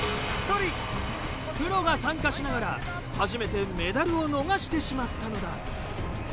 プロが参加しながら初めてメダルを逃してしまったのだ。